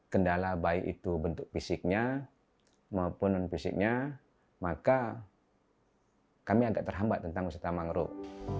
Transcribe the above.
kendala baik itu bentuk fisiknya maupun non fisiknya maka kami agak terhambat tentang wisata mangrove